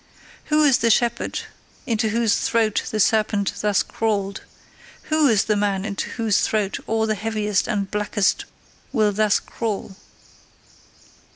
WHO is the shepherd into whose throat the serpent thus crawled? WHO is the man into whose throat all the heaviest and blackest will thus crawl?